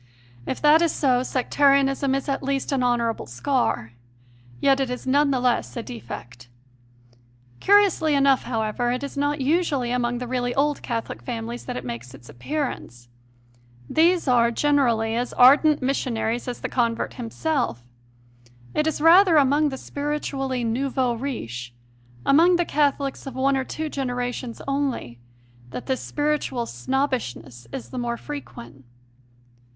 If that is so, Sectari anism is at least an honourable scar; yet it is none the less a defect. Curiously enough, however, it is not usually among the really old Catholic families that it makes its appearance; these are, generally, as ardent missionaries as the convert himself: it is rather among the spiritually nouveaux riches among the Catholics of one or two genera tions only that this spiritual snobbishness is the more frequent.